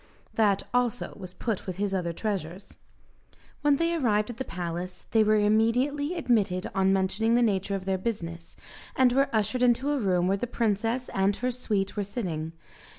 That also was put with his other treasures. When they arrived at the palace, they were immediately admitted on mentioning the nature of their business, and were ushered into a room where the princess and her suite were sitting.